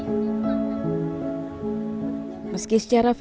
adam dan malika sejati jati